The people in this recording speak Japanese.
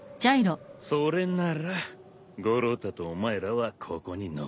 それなら五郎太とお前らはここに残れ。